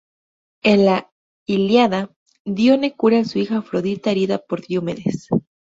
En la "Ilíada", Dione cura a su hija Afrodita, herida por Diomedes.